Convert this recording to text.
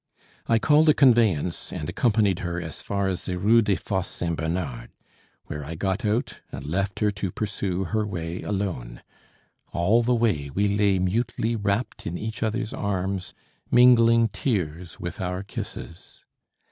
I called a conveyance and Accompanied her as far as the Rue des Fosses Saint Bernard, where I got out and left her to pursue her way alone. All the way we lay mutely wrapped in each other's arms, mingling tears with our kisses.